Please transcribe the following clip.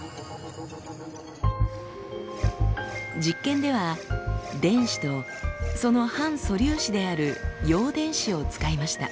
実験では電子とその反素粒子である陽電子を使いました。